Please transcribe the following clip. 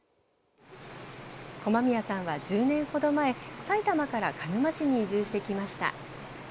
駒宮さんは１０年ほど前埼玉から鹿沼市に移住してきました。